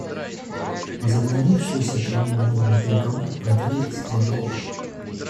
Возобновившиеся прямые мирные переговоры продлились недолго.